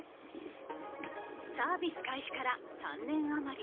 サービス開始から３年余り。